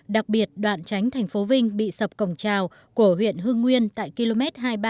đặc biệt đoạn tránh thành phố vinh bị sập cổng trào của huyện hương nguyên tại km hai mươi ba sáu trăm năm mươi